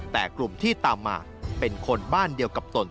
แต่กลุ่มที่ตามมาเป็นคนบ้านเดียวกับตน